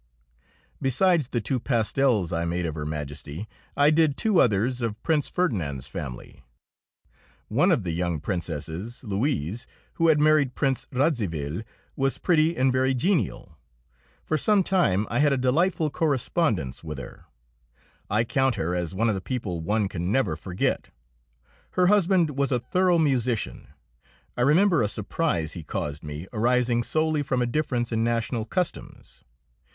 Besides the two pastels I made of Her Majesty, I did two others of Prince Ferdinand's family. One of the young princesses, Louise, who had married Prince Radziwill, was pretty and very genial. For some time I had a delightful correspondence with her; I count her as one of the people one can never forget. Her husband was a thorough musician. I remember a surprise he caused me arising solely from a difference in national customs.